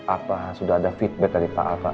apa sudah ada feedback dari pak al pak